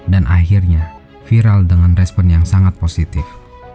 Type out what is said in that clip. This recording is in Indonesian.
dan akhirnya viral dengan respon yang sangat positif